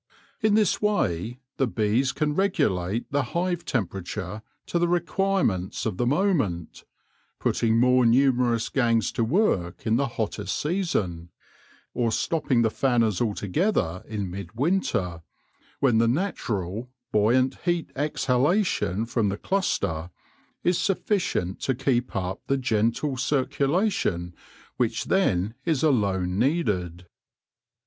In this way the bees can regulate the hive temperature to the requirements of the moment, putting more numerous gangs to work in the hottest season, or stopping the fanners altogether in mid winter, when the natural, buoyant heat exhalation from the cluster is sufficient to keep up the gentle circulation which then is alone needed.